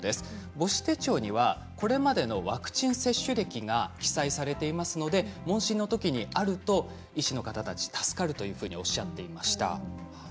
母子手帳にはこれまでのワクチン接種歴が記載されていますので問診のときにあると医師の方たち助かるとおっしゃっていました。